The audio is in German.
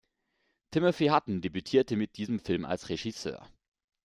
Timothy Hutton debütierte mit diesem Film als Regisseur.